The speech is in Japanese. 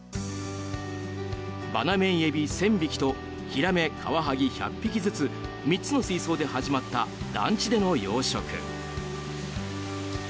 バナメイエビ１０００匹とヒラメ、カワハギ１００匹ずつ３つの水槽で始まった団地での養殖。